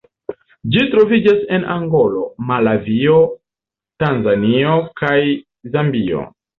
Ĝi troviĝas en Angolo, Malavio, Tanzanio kaj Zambio.